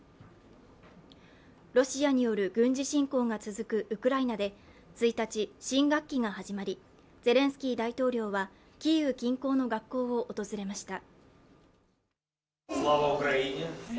ロシアによる軍事侵攻が続くウクライナで１日、新学期が始まり、ゼレンスキー大統領はキーウ近郊の学校を訪れました。